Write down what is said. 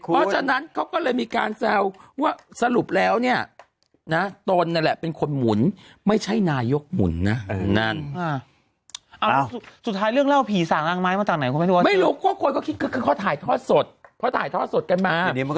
เพราะฉะนั้นเขาก็เลยมีการแซวว่าสรุปแล้วเนี่ยนะตอนนั่นแหละเป็นคนหมุนไม่ใช่นายกหมุนน่ะนั่นอ้าวสุดท้ายเรื่องเล่าผีสาหรังไม้มาจากไหนคุณไม่รู้ว่าไม่รู้ก็คอยก็คิดคือเขาถ่ายทอดสดเพราะถ่ายทอดสดกันมา